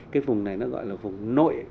cái vùng này nó gọi là vùng nội